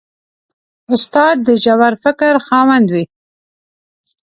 استاد د ژور فکر خاوند وي.